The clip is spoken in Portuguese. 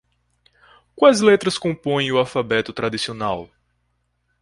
Quais letras compõem o alfabeto tradicional?